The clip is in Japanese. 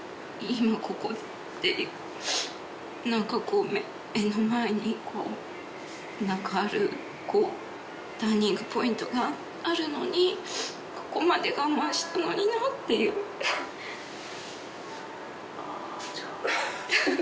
今ここで何かこう目の前にこう何かあるターニングポイントがあるのにここまで我慢してもいいのっていうあじゃあ